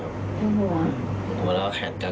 เราเลยโดนแข่แล้วแทงคา